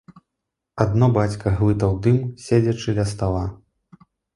Адно бацька глытаў дым, седзячы ля стала.